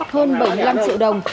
hơn bảy mươi năm triệu đồng